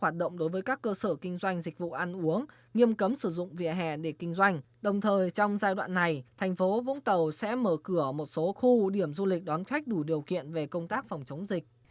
trong giai đoạn này thành phố vũng tàu sẽ mở cửa một số khu điểm du lịch đoán trách đủ điều kiện về công tác phòng chống dịch